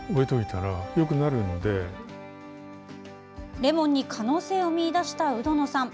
レモンに可能性を見出した鵜殿さん。